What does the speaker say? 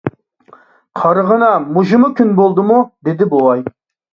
— قارىغىنا، مۇشۇمۇ كۈن بولدىمۇ؟ — دېدى بوۋاي.